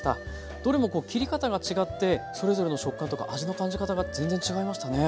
どれもこう切り方が違ってそれぞれの食感とか味の感じ方が全然違いましたね。